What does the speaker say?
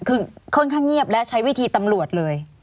คือค่อนข้างเงียบและใช้วิธีตำรวจเลย